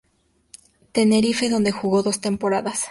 Tenerife, donde jugó dos temporadas.